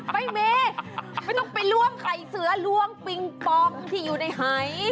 ไม่ต้องไปล้วงไข่เสือล้วงปิงปองที่อยู่ในหาย